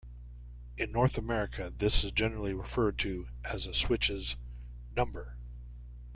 In North America this is generally referred to as a switch's "number".